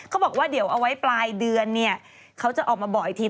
เขาบอกว่าเดี๋ยวเอาไว้ปลายเดือนเนี่ยเขาจะออกมาบอกอีกที